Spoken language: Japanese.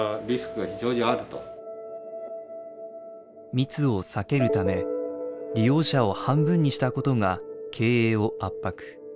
密を避けるため利用者を半分にしたことが経営を圧迫。